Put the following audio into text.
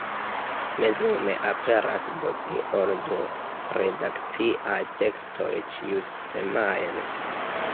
Mezume aperas do pli ol du redakciaj tekstoj ĉiusemajne.